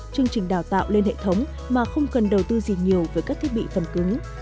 chương trình đào tạo lên hệ thống mà không cần đầu tư gì nhiều với các thiết bị phần cứng